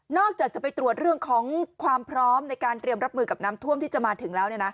จากจะไปตรวจเรื่องของความพร้อมในการเตรียมรับมือกับน้ำท่วมที่จะมาถึงแล้ว